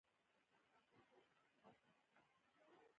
د سرپل په کوهستان کې څه شی شته؟